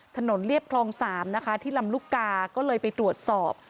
เรียบคลอง๓นะคะที่ลำลูกกาก็เลยไปตรวจสอบ